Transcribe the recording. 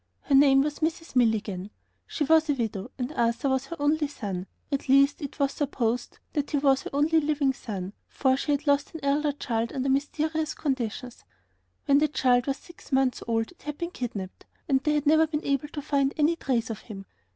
Her name was Mrs. Milligan. She was a widow, and Arthur was her only son; at least, it was supposed that he was her only son living, for she had lost an elder child under mysterious conditions. When the child was six months old it had been kidnaped, and they had never been able to find any trace of him.